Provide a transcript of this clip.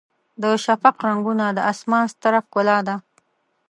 د شفق رنګونه د اسمان ستره ښکلا ده.